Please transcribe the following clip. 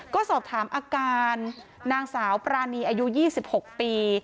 ก็สอบถามอาการนางสาวปรานีอายุ๒๖ปี